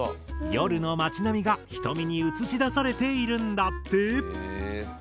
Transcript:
夜の町並みが瞳に映し出されているんだって。